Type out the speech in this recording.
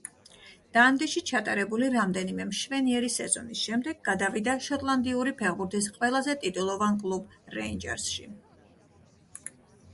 დანდიში ჩატარებული რამდენიმე მშვენიერი სეზონის შემდეგ გადავიდა შოტლანდიური ფეხბურთის ყველაზე ტიტულოვან კლუბ „რეინჯერსში“.